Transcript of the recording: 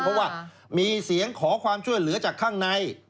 เพราะว่ามีเสียงขอความช่วยเหลือจากข้างใน